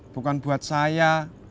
bukan buat saya